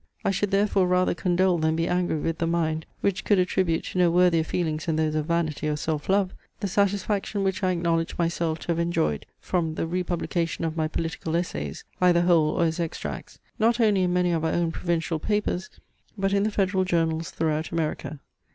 I should therefore rather condole than be angry with the mind, which could attribute to no worthier feelings than those of vanity or self love, the satisfaction which I acknowledged myself to have enjoyed from the republication of my political essays (either whole or as extracts) not only in many of our own provincial papers, but in the federal journals throughout America.